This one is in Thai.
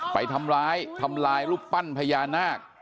ไปทำร้ายรูปปั้นพญานาค